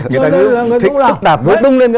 người ta cứ thích tức đạp vô tung lên